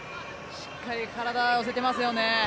しっかり体、寄せてますよね。